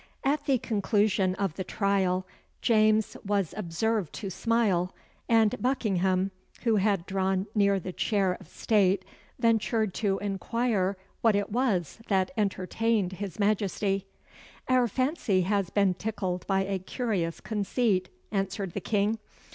At the conclusion of the trial, James was observed to smile, and Buckingham, who had drawn near the chair of state, ventured to inquire what it was that entertained his Majesty. "Our fancy has been tickled by a curious conceit," answered the King.